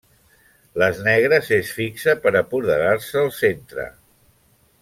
Les negres es fixe per apoderar-se el centre.